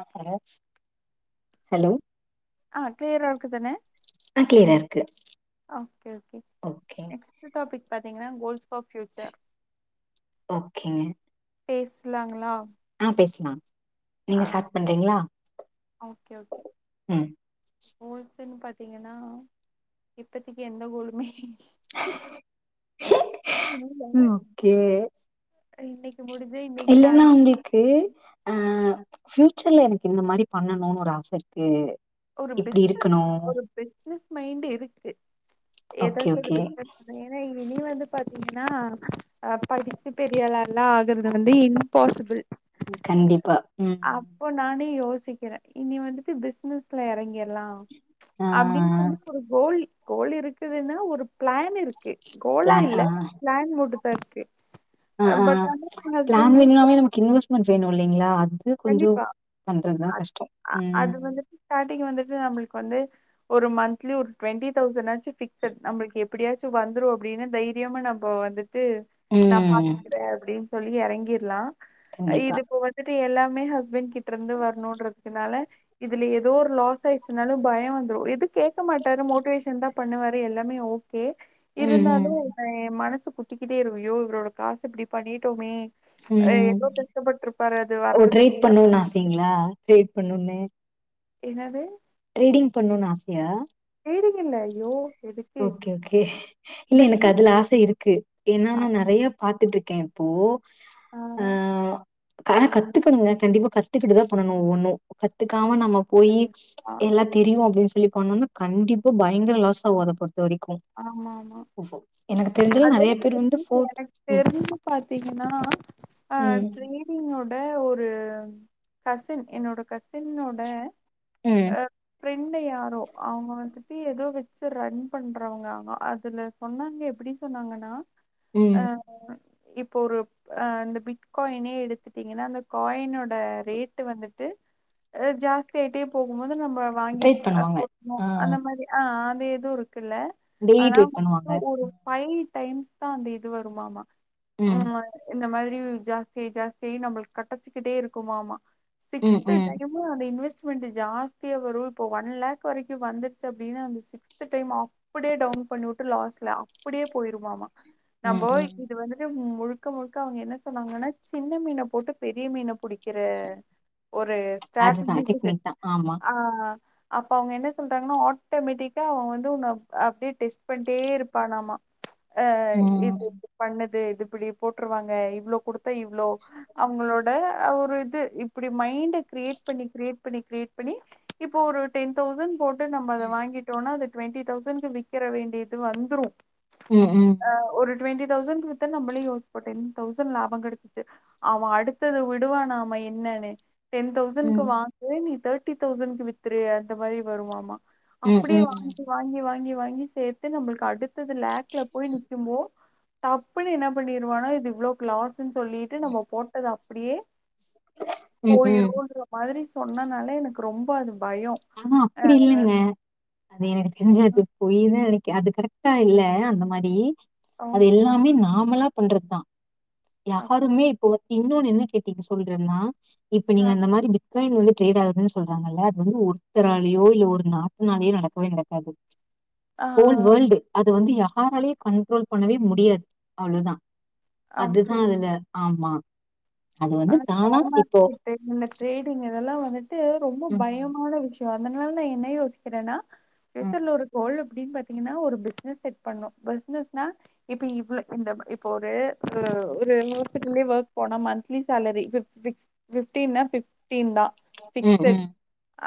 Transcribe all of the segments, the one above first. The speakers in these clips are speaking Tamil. அ ஹலோ ஹலோ ஆ கிளியர் ஆ இருக்கு தானே ஆ கிளியரா இருக்கு ஆ ஓகே ஓகே நெக்ஸ்ட் டாப்பிக் பாத்தீங்கனா கோல்ஸ் ஃபார் ஃபியூச்சர் ஓக்கேங்க பேஸ்லாங்களா ஆ பேஸ்லா நீங்க ஸாட் பண்றீங்ளா உம் கோல்சின் பாத்திங்கனா இப்பதிக்கி எந்த கோலுமே இ ம் ஓகே அ இன்னைக் இல்லேன்னா அவுங்ளுக்கு அஹ ஃப்யூச்சர்ல எனக்கு இந்த மாரி பண்ணணுனு ஒரு ஆச இருக்கு ஒரு இப்டி பிஸ்னஸ் இருக்கணு ஒரு பிஸ்னஸ் மைண்டு இருக்கு ஓகே எதாச்சு ஒரு ஓகே பிஸ்னஸ் [unintelligible] ஏனா னி வந்து பாத்தீங்கனா அ படிச்சி பெரியாளல்லா ஆகறது வந்து இம்பாசிபிள் கண்டிப்பா ம் அப்போ நானு யோ சிக்கிறே இனி வந்துட்டு பிசினஸ்ல எறங்கிர் லா ஆ அப்டின் சொல்லி இப்பொ ஒரு கோல் கோல் இருக்குதுன்னா ஒரு பிளான் இருக்கு கோலா பிளான் இல்ல பிளான் முடு தர்க்கு அ அ அ பிளான் வேண்ணாவே நம்க்கு இன்வெஸ் மெண்ட் வேணு இல்லைங்ளா கண்டிப்பா அத் அ ம் அது வந்துட்டு ஸ்டாட்டிங் வந்துட்டு நம்புளுக்கு வந்து ஒரு மந்த்லி ஒரு டுவெண்ட்டி தௌசண் ஆச்சு பிக்ஸட் நம்பள்க்கு எப்பிடியாச்சு வந்துரு அப்டினு தைரியமா நம்போ வந்து அதுநான் ம் பாத்துக்கிறே அப்டி சொல்லி எறங்கிடலா கண்டிப்பா இது இப்ப வந்துட்டு எல்லா மே ஹஸ்பன்ட் கித் [unintelligible] இருந்து வரணுங்கிறது அதனால இதுல ஏதோ ஒரு லாஸ் ஆயிடுச்சுனாலு பயோ வந்துரும் எதுக்கு கேக்க மாட்டாரு மோட்டிவேஷன் தா பண்ணுவாரு எல்லாமே ஓ கே‌ ம் இருந்தாலு ம் இப்ப என் மனசு சுத்திக்கிட்டே இருக்கு ஐயோ இவரோட காசு இப்டி பண்ணிட்டோமே ஆ ம் எவ்ளோ கஷ்டப்பட்டிருப்பாரு அது ஓ ட்ரேட் வர்றதுக்கு பண்ணுன்னு ஆசைங்களா பண்ணுண்ணு என்னாது ட்ரேடிங் பண்ணும்னு ஆசையா தேடுங்கல்ல. ஐயோ! எதுக்கு? ஓகே ஓகே இல்ல எனக்கு பிஸ்னஸ் அதுல ஆசை இருக்கு ஏனா ஆ, நா நறையா பாத்துட்டு இருக்கே கேம்ப்பூ ஆ ஆனா கத்துக்கணுங்க கண்டிப்பா கத்துக்கிட்டுதா பண்ணணோ ஒவ்வொண்ணு கத்துக்காம நம்ம போயி ஆ, எல்லாம் தெரியும் அப்டின்னு சொல்லி பண்ணோம்னா கண்டிப்பா பயங்கர லாஸ் ஆகோ அத வரைக்கும். ஆமா ஆமா எனக்கு தெரிஞ்சலும் அது நெறைய பேர் வந்து ஃபோர்த் எனக்கு ம், தெரி்ஞ்சு பாத்தீங்கன்னா ஆ ம், ட்ரேடிங்கோட ஒரு கசின் என்னோட கசினோட ம், ஆ ப்ரெண்ட் யாரோ அவுங்க வந்து பி ஏதோ வச்சு ரன் பண் அப்றவங்க அதுல சொன்னாங்க எப்டி சொன்னாங்கன்னா ம். அ இப்போ ஒரு அ அந்த பிட் காயினே எடுத்துட்டீங்கன்னா அந்த காயினோட ரேட்டு வந்துட்டு ஜாஸ்தி ஆயிட்டே போகுபோது நம்ம இப்ப வாங்கிப் ட்ரேட் அ பண்ணுவாங்க. போட்றனு ஆ அந்த மாரி ஆ ஆ [unintelligible] க்குல டெய்லி ஆனா ட்ரேட் பண்ணுவாங்க. ஒரு பை டைம்ஸ் தா அந்த இது வருமாமா ம், ஆமா இந்த மாரி ஜாஸ்தியாயி ஜாஸ்தியாயி நம்ளுக்கு கெடச்சுக்கிட்டே இருக்குமாமா ம், சிக்ஸ்த்து ம், டைமு அந்த இன்வெஸ்ட் மென்ட் ஜாஸ்தியா வரு இப்ப ஒன் லேக் வரைக்கு வந்துருச்சு அப்டின்னா அந்த சிக்ஸ்த் டைம் ஆஃப் அப்டியே டவுன் பண்ணிவுட்டு லாஸ்ல அப்டியே போயிருமாமா ம், நம்மோ ம். இது வந்துட்டு முழுக்க முழுக்க அவுங்க என்ன சொன்னாங்கன்னா சின்ன மீன போட்டு பெரிய மீன புடிக்கற ஒரு ஸ்டேட்டஜி அதுதான் இருக்கு டெக்னிக் தான். ஆமா. ஆஹ் அப்ப அவுங்க என்ன சொல்றாங்ன்னா ஆட்டோமேட்டிக்கா அவுங்க வந்து உன்ன அப்டியே டெஸ்ட் பண்ட்டே இருப்பானாம ப்ச் ஆஹ இது ம். இ பண்ணது து இப்டி போட்டுருவாங்க இவ்ளோ குடுத்த இவ்ளோ அவுங்களோட ஒரு இது இப்டி மைண்ட கிரியேட் பண்ணி கிரியேட் பண்ணி கிரியேட் பண்ணி இப்ப ஒரு டென் தவ்ஷண் போட் டு நம்ம அத வாங்கிட்டோனா அது டுவென்டி தவ்ஷண்ட் வங்கி விக்கர வேண்டியது வந்துரு உம் உம் டுவெண்டி தௌசண்ட்க்கு வித்த நம்மளே யோசிபோ டென் தௌசண்ட் லாபோ கெடச்சிச்சு அவ அடுத்தது விடுவானமா என்னன்னு டென் தௌசண்ட்க்கு ம். வாங்கு நீ தேர் ட்டி தௌசண்ட்க்கு வித்துரு அந்த மாரி வருமாமா ம், அப்படியே ம். வாங்கி வாங்கி வாங்கி வாங்கி வாங்கி சேத்து நம்மளுக்கு அடுத்தது லேக்ல போய் நிக்கும்போ டப்புன்னு என்ன பண்ணிருவானா இது இவ்ளோ க்லா ஸ்னு சொல்லிட்டு நம்ம போட்டத அப் படியே ம், ம். போயிருன்ற மாதிரி சொன்னனாலே எனக்கு ரொம்ப அது பயோ ஆனா அ அப்டி இல்லங்க அது எனக்கு தெரிஞ்சது பொய்யுதா நெனைக்கு அது கரெக்ட்டா இல்ல அந்த மாரி அது ஓகே எல்லாமே நாமலா பண்றது தா அ யாருமே இப்ப வந்துங் இன்னொன்னு என்ன கேட்டீங்க சொல்றேன்னா இப்ப நீங்க அந்த மாதிரி பிட் காயின் வந்து டிரேட் ஆவுது சொல்றாங்கல்ல அது வந்து ஒருத்தராலயோ இல்ல ஒரு நாட்டு நாளயோ நடக்கவே நடக்காது ஆ ஹோல் வேல்டு அது வந்து யா யாராலயு கண்ட்ரோல் பண்ணவே முடியாது அவ்ளோதா ஓகே அதுதா அதுல ஆமா அது வந்து ஆனா தானா ஷேர் இப்போ மார்க்கெட்டு இந்த ட்ரேடிங் இதெல்லா வந்துட்டு ரொம்ப ம், பயமான விஷயோ அ அதனால என்னெ யோசிக்றனா ம். பேசல்ல ஒரு கோலு அப்டினு பாத்தீங்கனா ஒரு பிஸ்னெஸ் செட் பண்ணணு பிஸ்னெஸ்னா இப்பே இவளோ இந்த இப்ப ஒரு ஒரு ஒர்க்குகுள்யே ஒர்க் போன மந் லீ சேலரி ஃபிப் ஃபிப்டின்னா ஃபிப் டீன்தா ஃபிக்ஸ் ம், செட் ம்.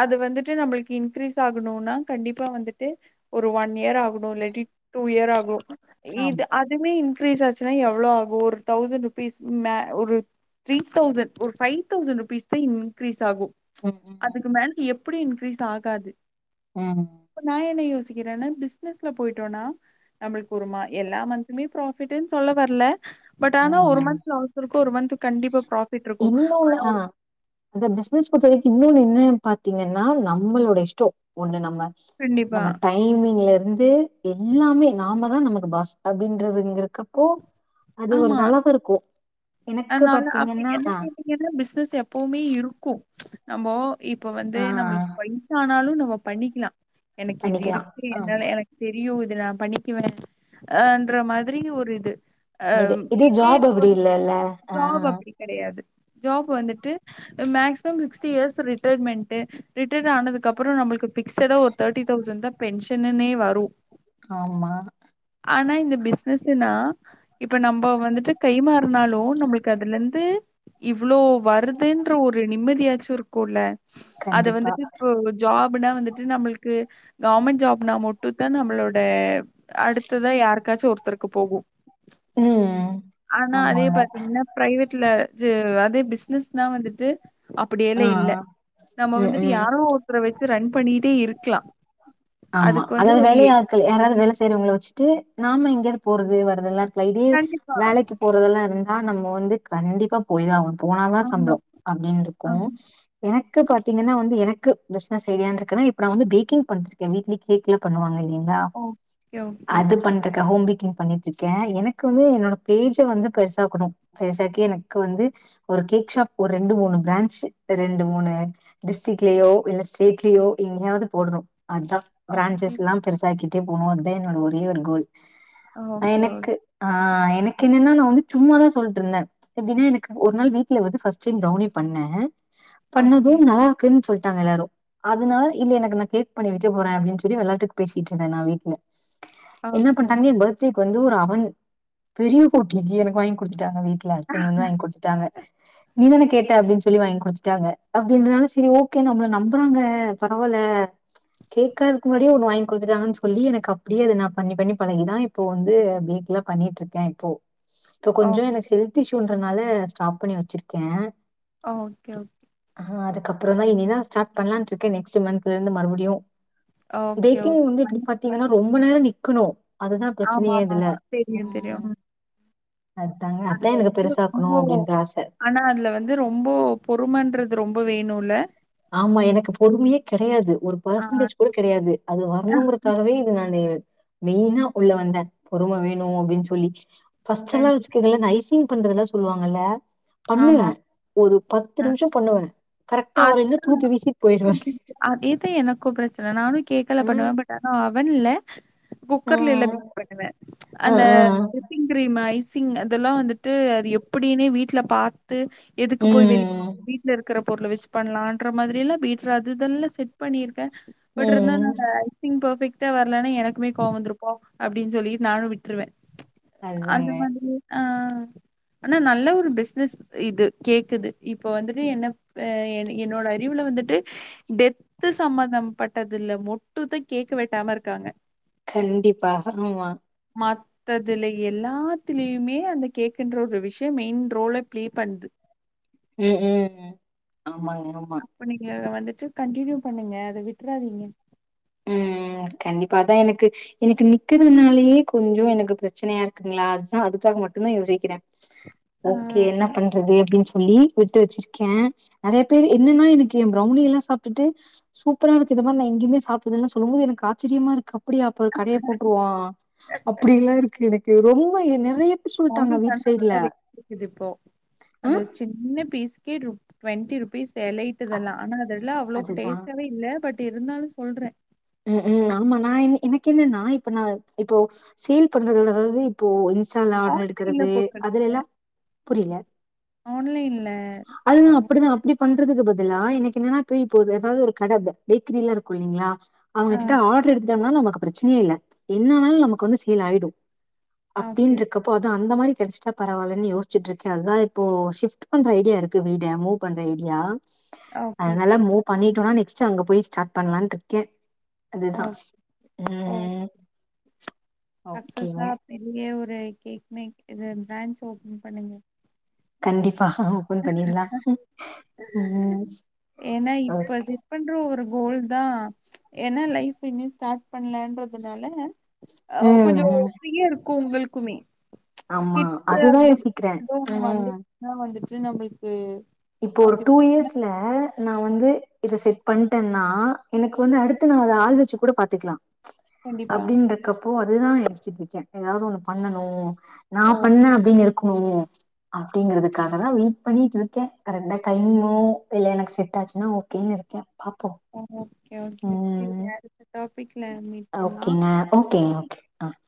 அது வந்துட்டு நம்மளுக் இன்கிரீஸ் ஆகணும்னா கண்டிப்பா வந்துட்டு ஒரு ஒன் இயர் ஆகணு இல்லாட்டி டூ இயர் ஆகு இது ஆமா. அதுமே இன் க்ரீஸ் ஆச்சினா எவ்ளோ ஆகு ஒரு தௌசண்ட்ருபீஸ் மே ஒரு த்ரீ தௌசண்ட் ஒரு ஃபைவ் தௌசண்ட் ருபீஸ் தா இன்க்ரீஸ் ஆகு ம், ம், அதுக்கு மேல எப் அப்டி இன்க்ரீஸ் ஆகாது ம், இப்ப நா என்ன யோசிக் கிறனா பிசினஸ்ல பொயிட்டோனா நம்மள்க்கொரு மா எல்லா மந்த்துமே ப்ராஃபிட்டூன் சொல்ல வரல பட் ஆனா ஒரு ம். மன்த்ல அவசர போ ஒரு மன்த்து கண்டிப்பா ப்ரா இன்னொன்னு ஆ அத பிஸ்னஸ் பொருத்த வரைக்கு இன்னொன்னு என் னு பாத்திங்கன்னா நம்மளோட இஷ்டோ ஒண்ணு நம்ம கண்டிப்பா நம்ம டைமிங்ல இரு வந்து எல்லாமே நாம தா நமக்கு பாஸ் அப்டின்றதுங்க இருக்கப்போ அது ஒரு ஆமா நல்லாதா இருக்கு எனக்கு பாத்திங்கன்னா பிஸ்னஸ் எப்பவுமே இருக்கு நம்மோ இப்ப வந்து ஆ நம்ளுக் வைசான் னாலு நம்ம பண்ணிக்லா எனக்கு இது பண்ணிக்கலாம். இருக்கு என்னால ஆமா. எனக்கு தெரியு நா பண்ணிக்குவே ஆன்ற மாதிரி ஒரு இது இது ம், இது இதே ஜாப் இப்டி இல்லல்ல ஆ ஜாப் அப்படி கிடையாது. ஜாப் வந்துட்டு maximum sixty years retirement retired ஆனது அப்பறோ நம்மளுக்கு ஃபிக்ஸடா ஒரு தேட்டி தௌசண்ட் தா பென்ஷன்னன்னே வரு ஆமா ஆனா இந்த பிஸ்னஸுனா இப்ப நம்ம வந்துட்டு கைமாறினாலு நம்மளுக்கு அதுல இருந்து இவ்ளோ வருதுன்ற ஒரு நிம்மதியாச்சு இருக்குல்ல அத கண்டிப்பா. வந்துட்டு இப்ப ஜாப் புனா வந்துட்டு நம்மளுக்கு கவர்மெண்ட் ஜாப்னா மட்டு தா நம்மளோட அடுத்ததா யாருக்காச்சு ஒருத்தருக்கு போகு ம். ஆனா அதே ஆமாங்க. பாத்தீங்கன்னா பிரைவேட்லே [unintelligible] அதே பிஸ்னஸ்னா வந்துட்டு ஆ, அப்டியெல்ல இல்ல நம்ம ம், வந்துட்டு ம். யாரோ ஒருத்தர வச்சு ரெண் பண்ணிட்டே இருக்கலா ஆமா அதாவது வேலையாட்கள் யாராது வேல செய்றவங்கள வச்சுட்டு நாம இங்கறது போறது வருதெல்லா [unintelligible] கண்டிப்பா. வேலைக்கு போறதெல்லாருந்தா ஆனா நம்ம வந்து கண்டிப்பா போயிதாவுணு போனாதா ஆமா, சம்பளோ அப்படின்ருக்கு ஆமா. எனக் க்கு பாத்தீங்கன்னா வந்து எனக்கு பிஸ்னஸ் ஐடியான்ருக்குன்னா இப்ப நா வந்து பேக்கிங் பண்ற வீட்லே கேக்ல பண்ணுவாங்க இதா ஓகே, ஓகே, அது பண்றக்கா ஹோம்பல க்கிங் பண்ணிட்ருக்கே எனக்கு வந்து என்னோட பேஜ வந்து பெருசாக்கணு பெருசாக்கி எனக்கு வந்து ஒரு கேக் ஷாப் ஒர் ரெண்டு மூணு பிரான்ச்சு ரெண்டு மூணு டிஸ்ட்டிக்லியோ இல்ல ஸ்டேட்லியோ எங்கயாவ்து போடணு அது தா ஓகே, பிராஞ்சஸ்லா பெருசாக்கிட்டே போனோ தா என்னோட ஒரே ஒரு கோல் ஓகே, ஓகே, எனக்கு ஆ எனக்கு என்னனா அது சும்மாதா சொல்ட்ருந்த எப்டினா எனக்கு ஒரு நாள் வீட்ல வந்து ஃபஸ்டைம் வந்து பௌரினி பண்ண ஓகே, பண்ணதும் நல்லாருக்குன் சொல் நாங்க எல்லாரு அதனால இல்ல எனக்கு நா கேக் பண்ணி விக்க போற அப்டின் சொல்லி வெளாட்டுக்கு பேசிட்டுகிட்ருந்தே நா வீட்ல என்ன ஓகே, பண்டாங்க ஏன் பேர்துடே வந்து ஒரு அவன் பெரிய [unintelligible] எனக்கு வாங்கி க குடுத்த [unintelligible] வீட்ல ஹஸ்பண்டு வந்து வாங்கி குடுத்துட்டாங்க நீதானே கேட்ட அப்படின்னு சொல்லி வாங்கி குடுத்துட்டாங்க அப்டின்றனால சரி ஓக்கே நம்மள நம்புறாங்க பரவால கேட்காதுக்கு முன்னாடியே ஒண்ணு வாங்கி கொடுத்துட்டாங்கன்னு சொல்லி எனக்கு அப்டியே அது நா பண்ணி பண்ணி பழகிதா இப்போ வந்து பேக்ல பண்ணிட்ருக்கே இப்போ இப்போ கொஞ்ச ஓகே, எனக்கு எல்திசு அப்படின்றனால ஸ்டாப் பண்ணி வச்சிருக்கே ஓகே ஓகே அதுக்கப்புற தா இனிதா ஸார்ட் பண்ணலான்டிருக்க நெக்ஸ்ட்டு மந்தலருந்து மறுபடி ஓகே, பேக்கிங் ஓகே. வந்து எப்டி பாத்தீங்கன்னா ரொம்ப நேரம் நிக் க்கனு ஆமா ஆமாமா தெரியு தெரியு அதாங்க அதான் அதுக்கு எனக்கு வந்து ரொம்ப பெருசாக்கணும் அப்டின்ற ஆச ஆனா அதுல வந்து ரொம்ப பொறுமன்றது ரொம்ப வேணு ஆமா எனக்கு பொறுமயே கெடையாது ஒரு ஆ பெர்சன்டேஜ் கூட கெடையாது அது ஆ, வரணுங்கிறதுக்காகவே இது நானு மெயினா உள்ள வந்த பொறும வேணு அப்டின்னு சொல்லி பாஸ்டுல்லா கண்டி வச்சிக்கங்களா ஐசி பண்றதெல்லா சொல்லுவாங்கல்ல ஆமா. பண்ணுவே ஒரு பத்து நிமிஷோ பண்ணுவே கரெக்ட்டா [unintelligible] [unintelligible] அதேதா எனக்கு பிரச்சன நானு கேக்கல பண்ணுவே பட் ஆன வண்ணல ஆ குக்கர்ல எல்லா பேக் பண்ணுவே ஆ அந்த ஆ ஆ விப்பிங் கிரீம் ஐஸ் திங் அதெல்லா வந்துட்டு அது எப்படின்னே வீட்டுல பா த்து எதுக்கு போய் வெளிய [inaudible] ம் வீட்டுல இருக்கிற பொருள வச்சு பண்ற மாதிரிலா வீட்டுல அது இதுன்ல செட் பண்ணி ட்டு பட் ம் இருந்தனால ஐ திங் பர்பெக்ட் டாவ இல்லைனா எனக்குமே கோவ வந்திருப்போ அப்படின் சொல்லி நானு விட்டுருவே அந்த அதுதாங்க மாதிரி அஹ் ஆனா நல்ல ஒரு பிசினஸ் இது கேக்குது இப்ப வந்துட்டு என்ன ஆ என் என்னோட அறிவுல வந்துட்டு டெத்து சமந்த பட்டதுல மொட்டு தா கேக்க வெட்டாம இருக்காங்க கண்டிப்பா ஆமா மத்ததுல எல்லாத்திலியுமே அந்த கேக்குன்ற ஒரு விஷயம் மெயின் ரோல பிளே பண்ணுது உம் உம் அ ஆமாங்க ஆமா ச கண்டினியூ பண்ணுங்க அத விட்டுறாதீங்க உம் கண்டிப்பா அதா எனக்கு எனக்கு நிக்கிறதுனாலயே கொஞ்சோ எனக்கு பிரச்சனையா இருக்குங்களா அதுதா அதுக்காக மட்டு தா யோசிக்கிறே ஆ ஓகே என்ன பண்றது அப்படின் சொ சொல்லி விட்டு வச்சிருக்கே நெறைய பேர் என்னன்னா எனக்கு எ பிரவுனி எல்லா சாப்பிட்டுட்டு சூப்பரா இருக்குது இந்த மாரி நா எங்கயுமே சா இதெல்லா சொல்லும் போது எனக்கு ஆச்சரியமா இருக்கு அப்படியா அப்ப கடைய போட்டுருவோ அப்படில்லா இருக்கு எனக் கு ரொம்ப எ நெறைய பேர் [inaudible] சொல்ட்டாங்க வீட்டு சைட்ல இப்போ ஆ அது சின்ன பீஸ் டி டுவன்ட்டி ருபீஸ் எலையட்டுதெல்லாம் ஆனா அதெல்லாம் அவ்வளோவுக்கு அதுதா டேஸ்ட்டாவே இல்ல பட் இருந்தாலும் சொல்றேன் உம்ஹும் ஆமா நான் என் எனக்கு என்ன நான் இப்ப நான் இப்போ சேல் பண்ற அதவுது இப்போ இன்ஸ்டால ஆர்டர் ஆன்லைன்ல எடுக்கிறது போட்ருங்க அதுல எல்லாம் புரில ஆன்லைன்ல அதுதான் அப்படிதான் அப்டி பண்றதுக்கு பதிலா எனக்கு என்னன்னா போப்பய் இப்போ ஏதாவது ஒரு கட பேக்கரிலாம் இருக்கும் இல்லலைங்களா ஆ உங்ககிட்ட ஆர்டர் எடுத்து நமக்கு பிரச்சனையே இல்ல என்ன ஆனாலும் நமக்கு வந்து சேல் ஆயிடும் ஆ ஓகே அப்படின்ற இருக்கப்போ அது அந்த மாதிரி கெடைச்சிட்டா பரவாயில்லனு யோசிச்சுட்டு இருக்கக்கு அதுதான் இப்போ ஷிப்ட் பண்ற ஐடியா இருக்கு வீட மூவ் பண்ற ஐடியா ஓகே அதனால ஓகே மூ பண்ணிட்டோனா ஃபர்ஸ்ட் அங்க போய் ஸ்டார்ட் பண்ணலான்னு இருக்கேன் ஓ அதுதான் உம் அசர் சா பெரிய ஒரு கே மெக் பிர இது பிரான்ச் ஓபன் பண்ணுங்க கண்டிப்பா ஓப்பன் பண்ணிடலாம் உம் ஏன்னா ஒகே இப்ப செட் பண்ற ஒரு கோல் தான் ஏன்னா லைஃப் இன்னும் ஸ்டார்ட் பண்ணலன்றதுனால ஆ ம், கொஞ்சம் ம். பியர் கு உங்கள்குமே ஆமா. கிட்ஸ் அதுதான் யோசிக்கிறேன். அப்பிடின்றது ஒண்ணு ம். வந்துருகுங்க வந்துட்டு நம்புல்கு இப்போ ஒரு டூ இயர்ஸ்ல நா வந்து இத செட் இப்ப வந்து இத பண்ணிட்டேன்னா எனக்கு வந்து அடுத்து நான் அதை ஆள் வெச்சு கூட பாத்துக்கலாம் கண்டிப்பா அப்டின்றக்கப்போ அதுதான் யோசுசிட்டு இருக்க ஏதாவது ஒண்ணு பண்ணணும் ஓ நான் பன்ன அப்படின்னுருக் ம் அப்படிங்கறதுக்காக தான் வெயிட் பண்ணிட்டு இருக்கேன் ரெண்ட கைனியு இல்ல எனக்கு செட் ஆச்சுன்னா ஓகேன்னு இருக்கேன் பாப்போம் ஓகே ஓகே செரி ம். யாருக்குதா ஓகேங்க ஓகேங்க ஓகே டார்ச்